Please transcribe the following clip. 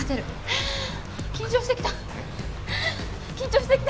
はあ緊張してきた。